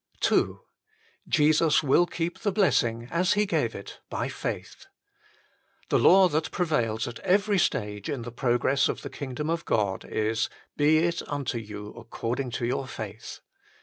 II Jesus will keep the blessiiig, as He gave it, by faith. The law that prevails at every stage in the 96 THE FULL BLESSING OF PENTECOST progress of the kingdom of God is :" Be it unto you according to your faith."